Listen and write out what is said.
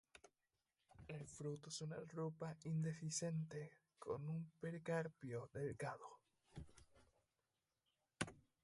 El fruto es una drupa indehiscente con un pericarpio delgado.